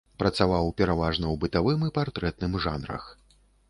Працаваў пераважна ў бытавым і партрэтным жанрах.